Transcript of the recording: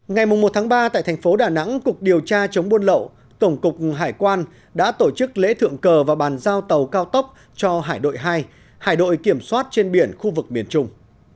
ngày một ba tại thành phố đà nẵng cục điều tra chống buôn lậu tổng cục hải quan đã tổ chức lễ thượng cờ và bàn giao tàu cao tốc cho hải đội hai hải đội kiểm soát trên biển khu vực miền trung